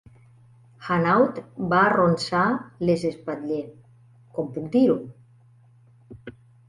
Hanaud va arronsar les espatller: "Com puc dir-ho?"